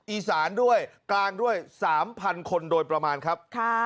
อีสานด้วยกลางด้วย๓๐๐คนโดยประมาณครับ